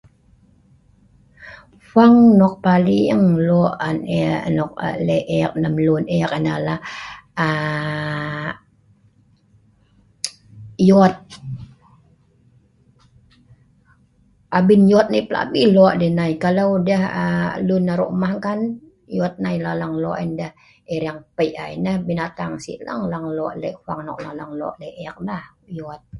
Fhuang nok lok on eek nal ya lah yot